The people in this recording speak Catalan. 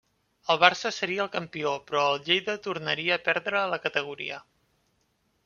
El Barça seria el campió però el Lleida tornaria a perdre la categoria.